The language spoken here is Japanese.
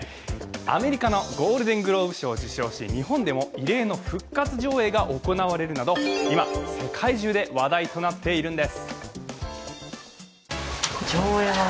アメリカのゴールデングローブ賞を受賞し日本でも異例の復活上映が行われるなど今、世界中で話題となっているんです。